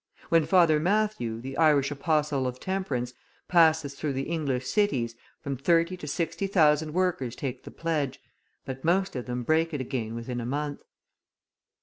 When Father Matthew, the Irish apostle of temperance, passes through the English cities, from thirty to sixty thousand workers take the pledge; but most of them break it again within a month.